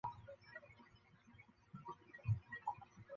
首尔民众对此赞不绝口。